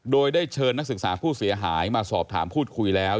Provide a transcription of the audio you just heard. โดยได้เชิญนักศึกษาผู้เสียหายมาสอบถามพูดคุยแล้ว